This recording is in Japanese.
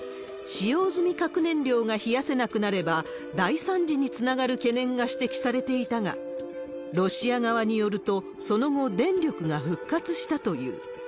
使用済み核燃料が冷やせなくなれば、大惨事につながる懸念が指摘されていたが、ロシア側によると、その後、電力が復活したという。